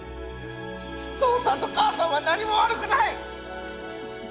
父さんと母さんは何も悪くない！